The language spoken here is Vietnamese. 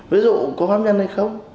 ví dụ có pháp nhân hay không